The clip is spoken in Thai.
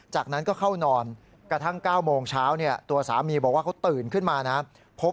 จากนั้นก็เข้านอนกระทั่ง๙โมงเช้าตัวสามีบอกว่าเขาตื่นขึ้นมานะครับ